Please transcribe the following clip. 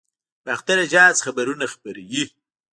باختر اژانس خبرونه خپروي